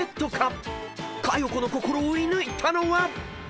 ［佳代子の心を射抜いたのは⁉］